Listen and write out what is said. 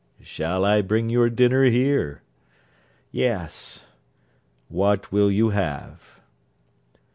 'Shall I bring your dinner here?' 'Yes.' 'What will you have?'